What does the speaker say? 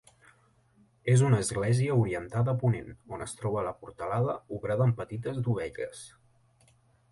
És una església orientada a ponent, on es troba la portalada, obrada amb petites dovelles.